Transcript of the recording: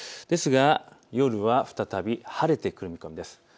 ですが夜は再び晴れてくる見込みです。